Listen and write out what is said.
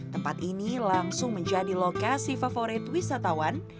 tempat ini langsung menjadi lokasi favorit wisatawan